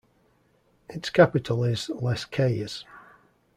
Its capital is Les Cayes.